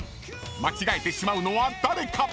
［間違えてしまうのは誰か？］